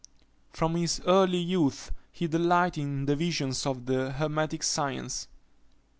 From his early youth, he delighted in the visions of the hermetic science.